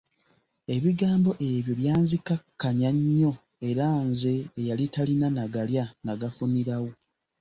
Ebigambo ebyo byanzikakkanya nnyo era nze eyali talina na galya nnagafunirawo.